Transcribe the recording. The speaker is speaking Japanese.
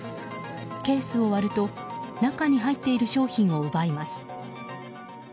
ケースを割ると中に入っている商品を奪います。